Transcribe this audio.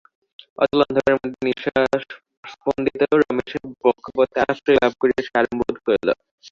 অটল অন্ধকারের মধ্যে নিশ্বাসস্পন্দিত রমেশের বক্ষপটে আশ্রয় লাভ করিয়া সে আরাম বোধ করিল।